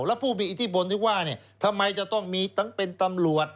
แล้วผู้มีอิทธิพลที่ว่าทำไมจะต้องมีทั้งเป็นตำรวจ